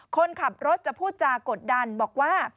คนขับรถจะพูดจากกดดันบอกว่า